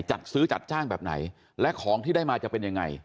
จัดซื้อจัดจ้างแบบไหนและของที่ได้มาจะเป็นยังไง